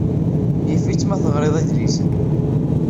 Yif-it ma teɣriḍ idlisen.